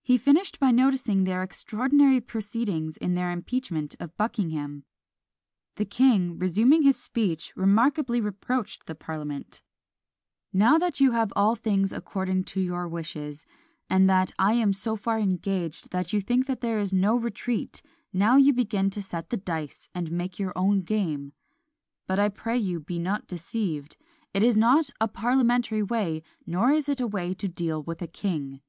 He finished by noticing their extraordinary proceedings in their impeachment of Buckingham. The king, resuming his speech, remarkably reproached the parliament Now that you have all things according to your wishes, and that I am so far engaged that you think there is no retreat, now you begin to set the dice, and make your own game. But I pray you be not deceived; it is not a parliamentary way, nor is it a way to deal with a king.